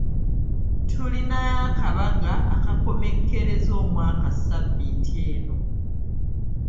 Tulinayo akabaga akakomekkereza omwaka ssabbiiti eno.